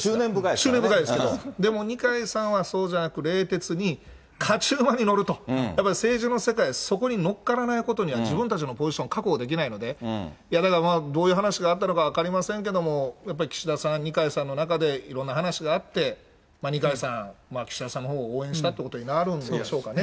執念深いですけど、でも二階さんはそうじゃなく、冷徹に、勝ち馬に乗ると、やっぱり政治の世界はそこに乗っからないことには自分たちのポジション確保できないので、だからどういう話があったのか分かりませんけれども、やっぱり岸田さん、二階さんの中で、いろんな話があって、二階さん、岸田さんのほうを応援したってことになるんでしょうかね。